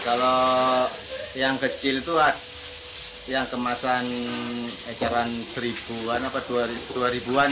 kalau yang kecil itu yang kemasan eceran seribuan atau dua ribuan